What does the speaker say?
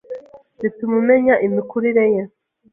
bituma umenya imikurire ye